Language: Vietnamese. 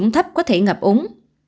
thấp có thể ngập úng